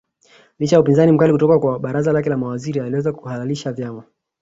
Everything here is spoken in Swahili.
Licha ya upinzani mkali kutoka kwa baraza lake la mawaziri aliweza kuhalalisha vyama